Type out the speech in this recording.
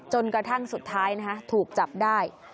จนกระทั่งสุดท้ายถูกจับได้